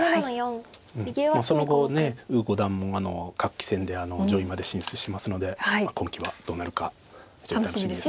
その後呉五段も各棋戦で上位まで進出してますので今期はどうなるか非常に楽しみです。